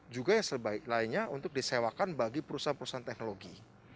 juga yang sebaik lainnya untuk disewakan bagi perusahaan perusahaan teknologi